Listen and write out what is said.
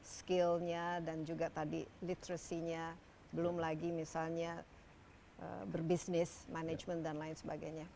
skillnya dan juga tadi literacy nya belum lagi misalnya berbisnis management dan lain sebagainya